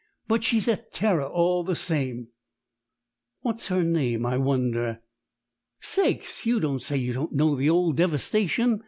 "But she's a terror all the same." "What's her name, I wonder?" "Sakes! You don't say you don't know the old _Devastation?